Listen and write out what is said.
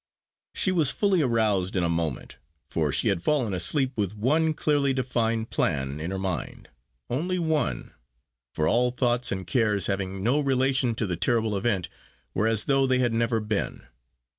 She was fully aroused in a moment, for she had fallen asleep with one clearly defined plan in her mind, only one, for all thoughts and cares having no relation to the terrible event were as though they had never been.